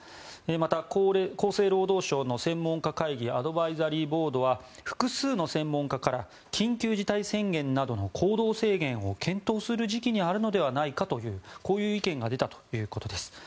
また、厚生労働省の専門家会議アドバイザリーボードは複数の専門家から緊急事態宣言などの行動制限を検討する時期にあるのではないかという意見が出たということです。